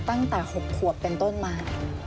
ตั้งแต่๖ขวบเป็นต้นมา